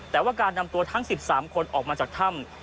แต่ว่าการนำตัวทั้ง๑๓คนออกมาจากถ้ำ